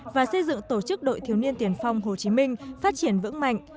và xây dựng tổ chức đội thiếu niên tiền phong hồ chí minh phát triển vững mạnh